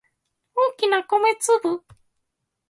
大きな米粒